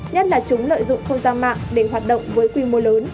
nhất là chúng lợi dụng không gian mạng để hoạt động với quy mô lớn